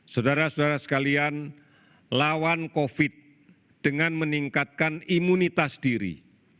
saudara saudara sekalian lawan covid sembilan belas dengan meningkatkan imunitas diri